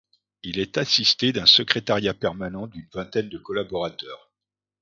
Il est assisté d'un secrétariat permanent d'une vingtaine de collaborateurs.